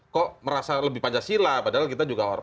kok merasa lebih pancasila padahal kita juga orang lain